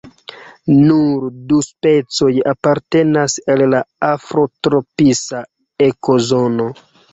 Nur du specioj apartenas al la afrotropisa ekozono.